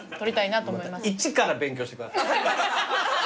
一から勉強してください。